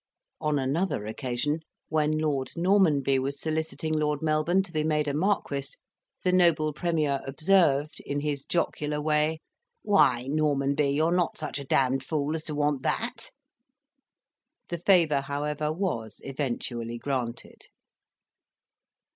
On another occasion, when Lord Normanby was soliciting Lord Melbourne to be made a marquis, the noble Premier observed, in his jocular way, "Why, Normanby, you are not such a d d fool as to want that!" The favour, however, was eventually granted.